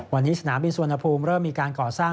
วันนี้สนามบินสุวรรณภูมิเริ่มมีการก่อสร้าง